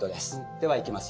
ではいきます。